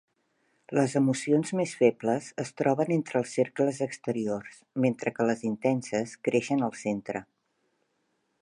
Les emocions més febles es troben entre els cercles exteriors, mentre que les intenses creixen al centre.